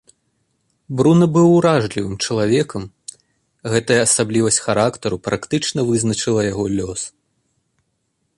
Бруна быў уражлівым чалавекам, гэтая асаблівасць характару практычна вызначыла яго лёс.